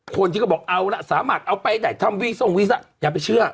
คนที่ก็บอกเอาละสามารถเอาไปได้ทำวีทรงวีสะอย่าไปเชื่อ